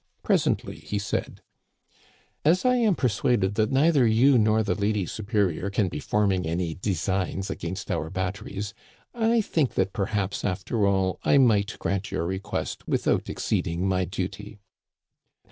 Presently he said :" As I am persuaded that neither you nor the lady superior can be forming any designs against our bat teries, I think that perhaps, after all, I might grant your request without exceeding my duty."